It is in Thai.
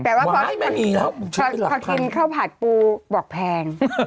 แต่ว่าพอกินข้าวผัดปูบอกแพง